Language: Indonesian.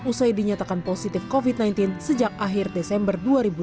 usai dinyatakan positif covid sembilan belas sejak akhir desember dua ribu dua puluh